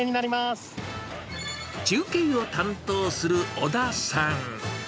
中継を担当する小田さん。